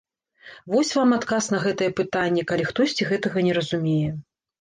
Вось вам адказ на гэтае пытанне, калі хтосьці гэтага не разумее.